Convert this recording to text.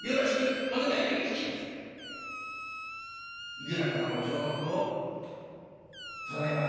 いくらかのお鳥目を供えます